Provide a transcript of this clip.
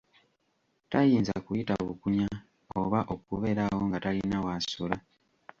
Tayinza kuyita bukunya oba okubeerawo nga talina w'asula.